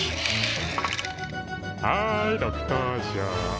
はい６等賞。